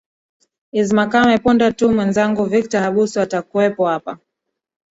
is makame punde tu mwezangu victor habusu atakuwepo hapa